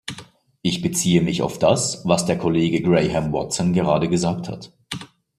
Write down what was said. Ich beziehe mich auf das, was der Kollege Graham Watson gerade gesagt hat.